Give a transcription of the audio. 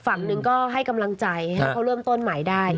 ฝั่งหนึ่งก็ให้กำลังใจให้เขาเริ่มต้นใหม่ได้